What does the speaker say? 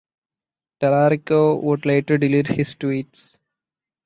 Tallarico would later delete his tweets.